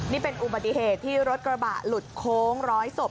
นี่เป็นอุบัติเหตุที่รถกระบะหลุดโค้งร้อยศพ